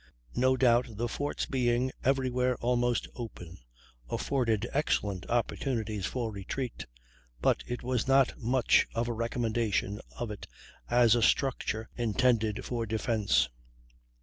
No doubt the fort's being "everywhere almost open" afforded excellent opportunities for retreat; but it was not much of a recommendation of it as a structure intended for defence.